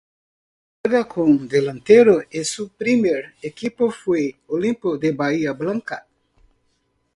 Juega como delantero y su primer equipo fue Olimpo de Bahía Blanca.